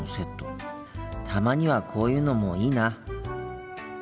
たまにはこういうのもいいな。